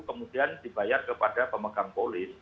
kemudian dibayar kepada pemegang polis